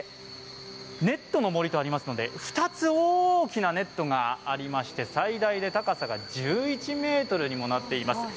ネットの森とありますので２つ大きな森がありまして最大で高さが１１ｍにもなっています